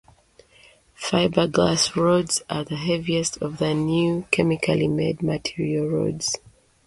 Fiberglass rods are the heaviest of the new chemically-made material rods.